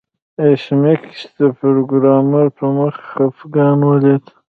ایس میکس د پروګرامر په مخ خفګان ولید